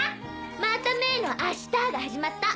またメイの「明日」が始まった。